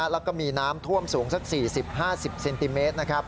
แล้วก็มีน้ำท่วมสูงสัก๔๐๕๐เซนติเมตร